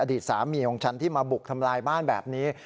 อดีตสามีของฉันที่มาบุกทำลายบ้านแบบนี้